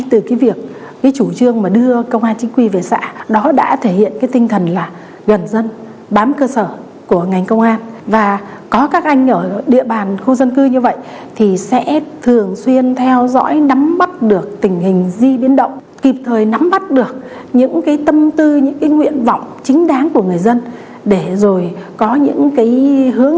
tôi cũng đã xem những clip những phóng sự về sự hy sinh thầm lặng của chiến sĩ công an